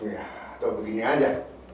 ya atau begini saja